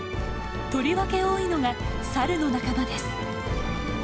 とりわけ多いのがサルの仲間です。